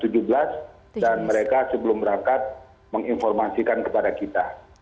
dan mereka sebelum berangkat menginformasikan kepada kita